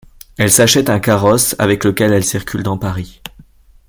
Elle s'achète un carrosse avec lequel elle circule dans Paris.